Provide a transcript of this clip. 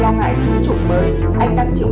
lo ngại chứng chủng mới anh đang chịu